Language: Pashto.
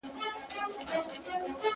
اوس خو پوره تر دوو بـجــو ويــښ يـــم ـ